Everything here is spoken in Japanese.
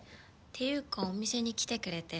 っていうかお店に来てくれて。